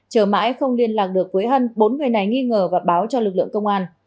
chờ mãi không liên lạc được với hân bốn người này nghi ngờ và báo cho lực lượng công an